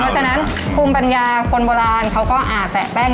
ดังนั้นคุมปัญญาคนโบราณเขาก็อาจแตะแป้ง